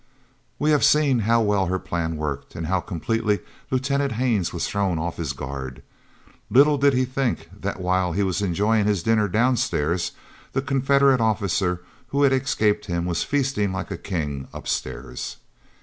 We have seen how well her plan worked, and how completely Lieutenant Haines was thrown off his guard. Little did he think that while he was enjoying his dinner downstairs, the Confederate officer who had escaped him was feasting like a king upstairs.